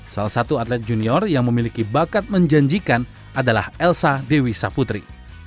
salah satu atlet junior yang memiliki bakat menjanjikan adalah elsa dewi saputri